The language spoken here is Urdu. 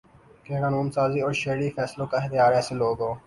کہ قانون سازی اور شرعی فیصلوں کا اختیار ایسے لوگوں